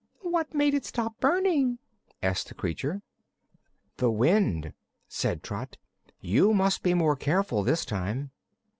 "What made it stop burning?" asked the creature. "The wind," said Trot. "You must be more careful, this time."